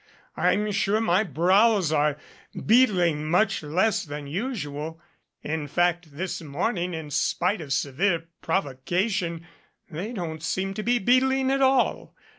I'm sure my brows are beetling much less than usual. In fact, this morning in spite of severe provoca tion they don't seem to be beetling at all.